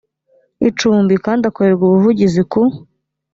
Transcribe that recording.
icumbi kandi akorerwa ubuvugizi ku